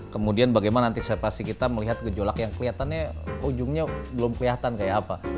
kemudian bagaimana antisipasi kita melihat gejolak yang kelihatannya ujungnya belum kelihatan kayak apa